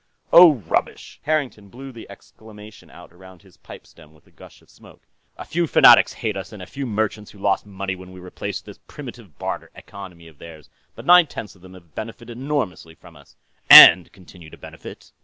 "Oh, rubbish!" Harrington blew the exclamation out around his pipe stem with a gush of smoke. "A few fanatics hate us, and a few merchants who lost money when we replaced this primitive barter economy of theirs, but nine tenths of them have benefited enormously from us, and continue to benefit...."